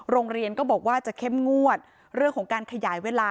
โรงเรียนก็บอกว่าจะเข้มงวดเรื่องของการขยายเวลา